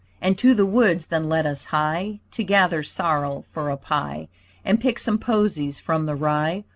And to the woods then let us hie To gather sorrel for a pie, And pick some posies from the rye.